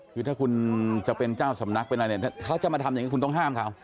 คือถ้าคุณจะเป็นเจ้าสำนักเป็นอะไรเนี่ยเขาจะมาทำอย่างนี้คุณต้องห้ามเขา